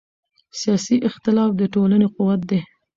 سیاسي اختلاف د ټولنې قوت دی